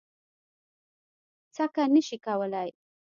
څکه نه شي کولی.